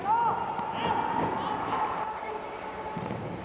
สวัสดีทุกคน